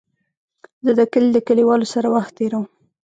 زه د کلي د کليوالو سره وخت تېرووم.